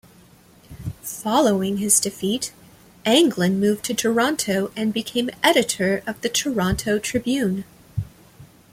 Following his defeat, Anglin moved to Toronto and became editor of the "Toronto Tribune".